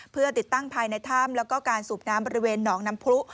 เพื่อติดตั้งภายในถ้ำแล้วก็การสูบน้ำบริเวณหนองน้ำพลุ